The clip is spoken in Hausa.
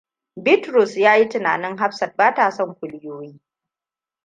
Bitrus ya yi tunanin Hafsat ba ta son kuliyoyi.